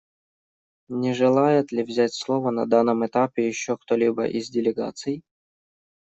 Не желает ли взять слово на данном этапе еще кто-либо из делегаций?